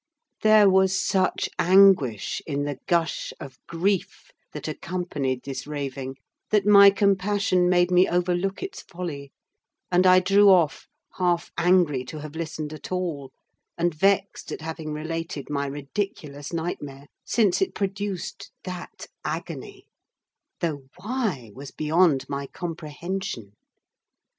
There was such anguish in the gush of grief that accompanied this raving, that my compassion made me overlook its folly, and I drew off, half angry to have listened at all, and vexed at having related my ridiculous nightmare, since it produced that agony; though why was beyond my comprehension.